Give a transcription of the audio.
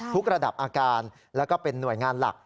ระดับอาการแล้วก็เป็นหน่วยงานหลัก